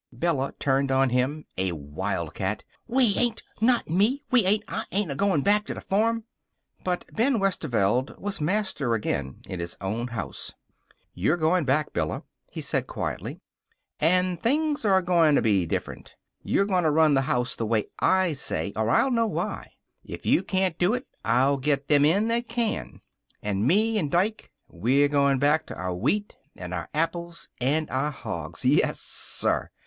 Bella turned on him, a wildcat. "We ain't! Not me! We ain't! I'm not agoin' back to the farm." But Ben Westerveld was master again in his own house. "You're goin' back, Bella," he said quietly, "an' things are goin' to be different. You're goin' to run the house the way I say, or I'll know why. If you can't do it, I'll get them in that can. An' me and Dike, we're goin' back to our wheat and our apples and our hogs. Yessir!